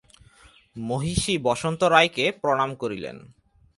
মহিষী বসন্ত রায়কে প্রণাম করিলেন।